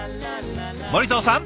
森藤さん